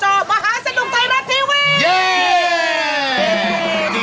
จากรายการอเบาเจ้ามหาสนุกใต้รัดทีวี